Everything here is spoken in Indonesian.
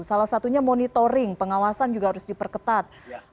salah satunya monitoring pengawasan juga harus diperketat